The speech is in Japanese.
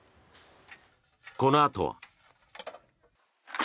このあとは。